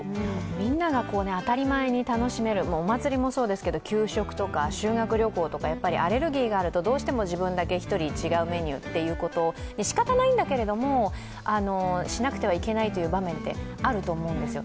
みんなが当たり前に楽しめる、お祭りもそうですけど、給食とか修学旅行とか、アレルギーがあるとどうしても自分１人だけ違うメニューということ、しかたないんだけれども、しなくてはいけないという場面ってあると思うんですよ。